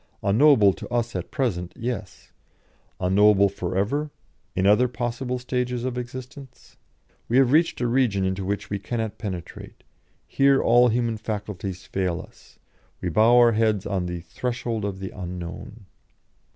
Unknowable to us at present, yes! Unknowable for ever, in other possible stages of existence? We have reached a region into which we cannot penetrate; here all human faculties fail us; we bow our heads on 'the threshold of the unknown.'